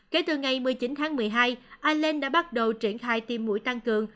vào ngày một mươi chín tháng một mươi hai ireland đã bắt đầu triển khai tiêm mũi tăng cường